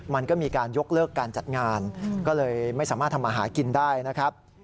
มันก็มีการยกเลิกการจัดงานก็เลยไม่สามารถทำอาหารกินได้นะครับ